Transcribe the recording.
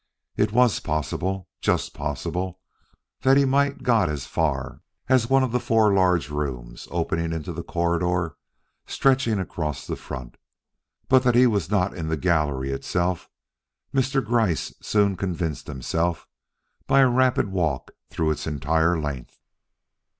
It was possible just possible that he might have got as far as one of the four large rooms opening into the corridor stretching across the front, but that he was not in the gallery itself Mr. Gryce soon convinced himself by a rapid walk through its entire length.